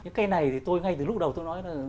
cái này thì tôi ngay từ lúc đầu tôi nói là